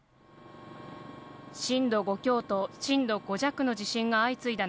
震度５強と震度５弱の地震が相次いだ